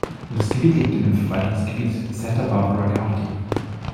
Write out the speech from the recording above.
Das Gebiet liegt in dem Verwaltungsgebiet Santa Barbara County.